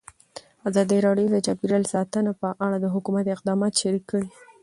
ازادي راډیو د چاپیریال ساتنه په اړه د حکومت اقدامات تشریح کړي.